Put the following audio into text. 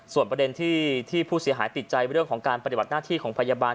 ส่วนประเด็นที่ผู้เสียหายติดใจเรื่องของการปฏิบัติหน้าที่ของพยาบาล